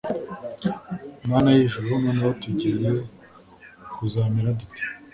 mana y’ijuru, noneho tugiye kuzamera dute?